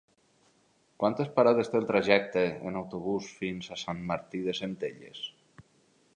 Quantes parades té el trajecte en autobús fins a Sant Martí de Centelles?